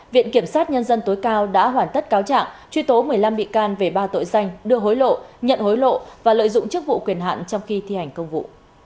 viện kiểm sát nhân dân tối cao đã hoàn tất cáo trạng truy tố một mươi năm bị can về ba tội danh đưa hối lộ nhận hối lộ và lợi dụng chức vụ quyền hạn trong khi thi hành công vụ